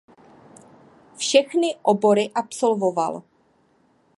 Všechny obory absolvoval.